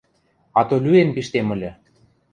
— Ато лӱэн пиштем ыльы.